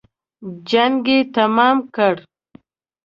جنګ یې تمام کړ.